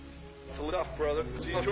そうだろ？